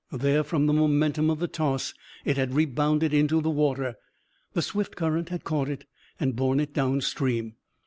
There, from the momentum of the toss, it had rebounded into the water. The swift current had caught it and borne it downstream.